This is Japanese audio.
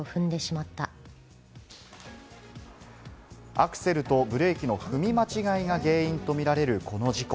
アクセルとブレーキの踏み間違いが原因とみられるこの事故。